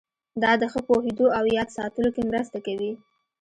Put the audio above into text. دا د ښه پوهېدو او یاد ساتلو کې مرسته کوي.